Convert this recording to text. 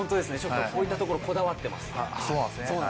こういったところこだわっています。